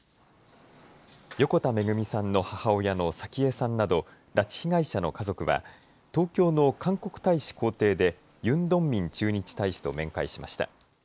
横田めぐみさんの母親の早紀江さんなど拉致被害者の家族は東京の韓国大使公邸でユン・ドンミン駐日大使と面会しました。